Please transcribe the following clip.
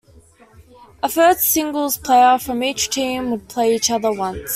A third singles player from each team would play each other once.